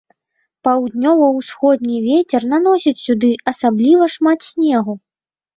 Паўднёва-ўсходні вецер наносіць сюды асабліва шмат снегу.